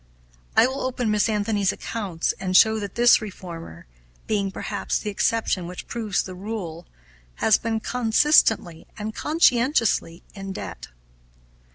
I will open Miss Anthony's accounts and show that this reformer, being, perhaps, the exception which proves the rule, has been consistently and conscientiously in debt.